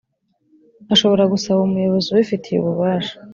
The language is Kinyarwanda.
ashobora gusaba umuyobozi ubifitiye ububasha